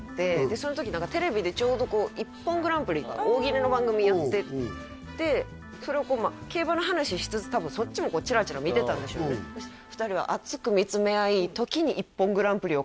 その時テレビでちょうど「ＩＰＰＯＮグランプリ」か大喜利の番組やっててそれを競馬の話しつつ多分そっちもチラチラ見てたんでしょうね恥ずかしい！